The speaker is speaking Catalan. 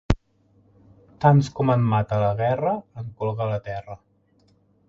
Tants com en mata la guerra, en colga la terra.